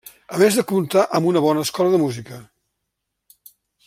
A més de comptar amb una bona escola de música.